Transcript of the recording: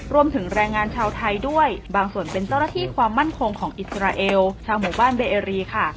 รวมถึงแรงงานชาวไทยด้วยบางส่วนเป็นเจ้าหน้าที่ความมั่นคงของอิสราเอลชาวหมู่บ้านเบเอรีค่ะ